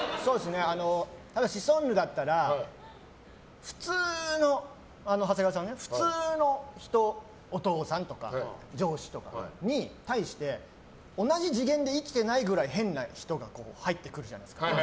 シソンヌだったら長谷川さんね普通の人お父さんとか上司とかに対して同じ次元で生きてないくらい変な人が入ってくるじゃないですか。